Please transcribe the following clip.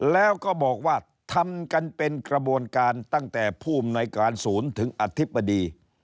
แล้วก็บอกว่าทำกันเป็นกระบวนการตั้งแต่ผู้อำนวยการศูนย์ถึงอธิบดี